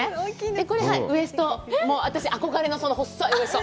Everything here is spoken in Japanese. これウエスト、私、憧れの細いウエスト。